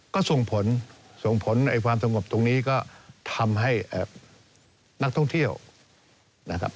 ก็ส่งผลส่งผลความสงบตรงนี้ก็ทำให้นักท่องเที่ยวนะครับ